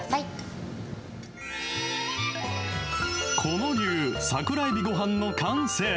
狐野流桜えびごはんの完成。